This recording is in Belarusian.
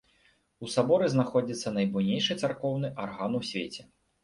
У саборы знаходзіцца найбуйнейшы царкоўны арган у свеце.